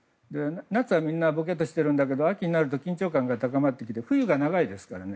夏はみんなボケッとしているんだけど秋になると緊張感が高まってきて冬が長いですからね。